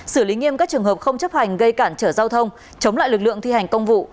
xử lý nghiêm các trường hợp không chấp hành gây cản trở giao thông chống lại lực lượng thi hành công vụ